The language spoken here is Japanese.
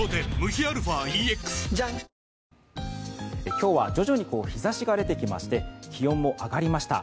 今日は徐々に日差しが出てきまして気温も上がりました。